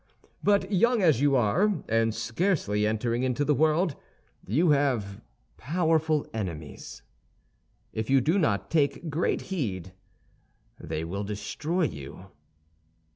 But young as you are, and scarcely entering into the world, you have powerful enemies; if you do not take great heed, they will destroy you."